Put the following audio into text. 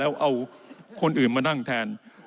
แล้วเอาคนอื่นมานั่งแทน